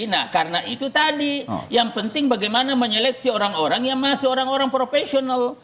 nah karena itu tadi yang penting bagaimana menyeleksi orang orang yang masuk orang orang profesional